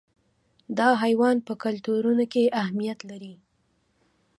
دا حیوان په کلتورونو کې اهمیت لري.